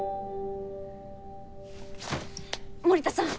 森田さん。